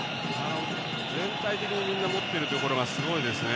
全体的にみんな持ってるところがすごいですね。